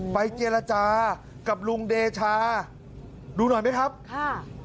ไปเจรจากับลุงเดชาดูหน่อยไหมครับค่ะ